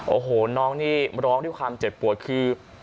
โอ้โหน้องนี่ร้องด้วยความเจ็บปวดคือ